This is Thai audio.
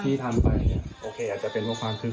พี่ทำไปโอเคอาจจะเป็นความคิด